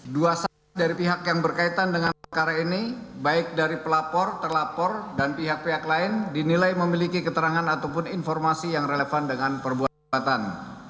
dua saksi dari pihak yang berkaitan dengan perkara ini baik dari pelapor terlapor dan pihak pihak lain dinilai memiliki keterangan ataupun informasi yang relevan dengan perbuatan